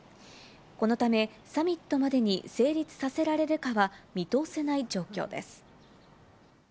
このため、サミットまでに成立させられるかは見通せない状況です。